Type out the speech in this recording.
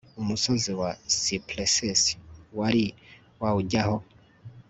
umusozi wa cypresses wari wawujyaho